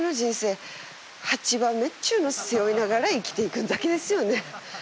８番目っちゅうの背負いながら生きていくんだけですよね。